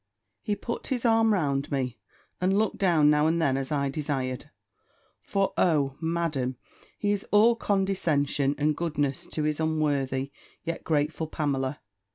He put his arm round me, and looked down now and then, as I desired! for O! Madam, he is all condescension and goodness to his unworthy, yet grateful Pamela!